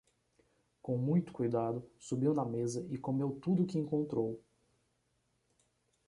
Com muito cuidado, subiu na mesa e comeu tudo o que encontrou.